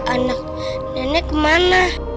anak nenek kemana